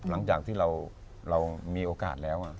หลังจากที่เรามีโอกาสแล้ว